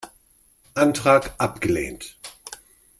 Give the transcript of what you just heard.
Antrag abgelehnt!